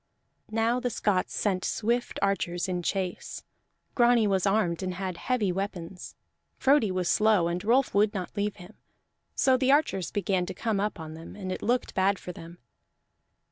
Now the Scots sent swift archers in chase. Grani was armed and had heavy weapons; Frodi was slow and Rolf would not leave him; so the archers began to come up on them, and it looked bad for them.